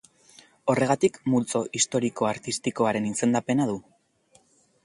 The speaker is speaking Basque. Horregatik multzo historiko-artistikoaren izendapena du.